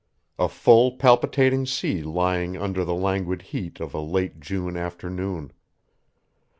A full palpitating sea lying under the languid heat of a late June afternoon.